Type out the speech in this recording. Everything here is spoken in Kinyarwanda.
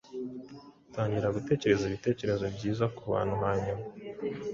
Tangira gutekereza ibitekerezo byiza ku bantu hanyuma